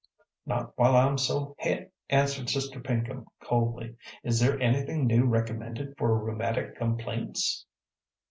"Not while I'm so het," answered Sister Pinkham coldly. "Is there anything new recommended for rheumatic complaints?"